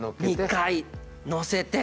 ２階のせて。